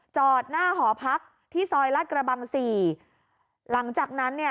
จอดหน้าหอพักที่ซอยลาดกระบังสี่หลังจากนั้นเนี่ย